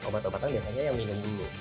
obat obatan biasanya yang minum dulu